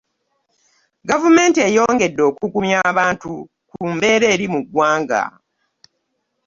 Gavumenti eyongede okugumya abantu ku mbeera eri mu ggwanga.